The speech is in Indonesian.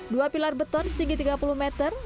dua pilar beton setinggi tiga puluh meter